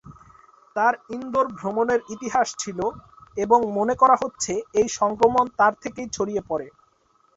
তাঁর ইন্দোর ভ্রমণের ইতিহাস ছিল, এবং মনে করা হচ্ছে যে এই সংক্রমণ তাঁর থেকেই ছড়িয়ে পড়ে।